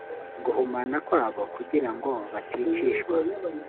guhumana kwabo kugira ngo baticishwa